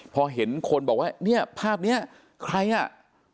พอเห็นคนบอกว่าเนี่ยภาพนี้ใครอ่ะ